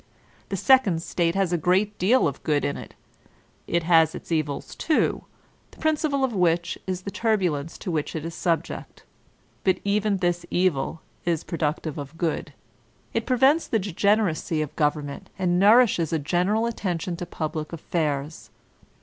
The second state has a great deal of good in it. ... It has its evils, too, the principal of which is the turbulence to which it is sub ject •.. But even this evil is productive of good. It prevents the degeneracy of government, and nourishes a general attention to public affairs.